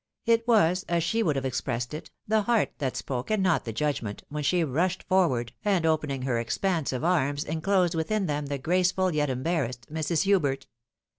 It was, as she would have expressed it, the heart that spoke, and not the judgment, vfhen she rushed forward, and opening her expansive arms, inclosed witlnn them the graceful, yet embarrassed Mrs. Hubert.